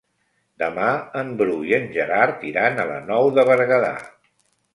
Demà en Bru i en Gerard iran a la Nou de Berguedà.